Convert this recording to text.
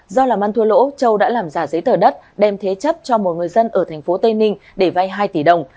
do làm ăn thua lỗ châu đã làm giả giấy tờ đất đem thế chấp cho một người dân ở tp tây ninh để vay hai tỷ đồng